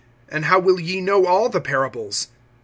And how will ye know all the parables?